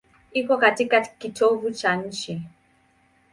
Iko katika kitovu cha nchi.